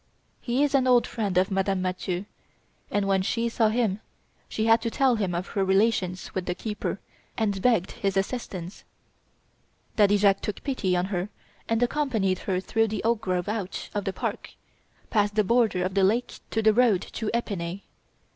He is an old friend of Madame Mathieu, and when she saw him she had to tell him of her relations with the keeper and begged his assistance. Daddy Jacques took pity on her and accompanied her through the oak grove out of the park, past the border of the lake to the road to Epinay.